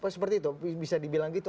seperti itu bisa dibilang gitu